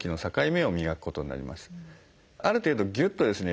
ある程度ぎゅっとですね